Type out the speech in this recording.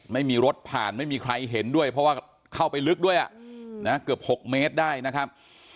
ไม่มีรถผ่านไม่มีใครเห็นด้วยเพราะว่าเข้าไปลึกด้วยนะเกือบ๖เมตรได้นะครับ